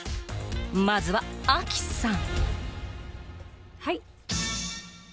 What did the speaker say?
まずは亜希さん